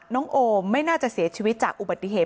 โอมไม่น่าจะเสียชีวิตจากอุบัติเหตุ